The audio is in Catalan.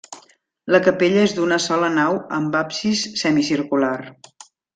La capella és d'una sola nau amb absis semicircular.